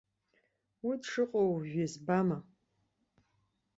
Уи дшыҟоу уажә избама.